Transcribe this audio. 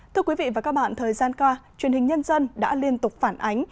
thưa quý vị và các bạn thời gian qua truyền hình nhân dân đã liên tục phản ánh